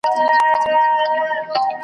او یوازي شرنګ او سُر لري .